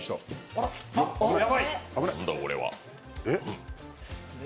何だ、これは。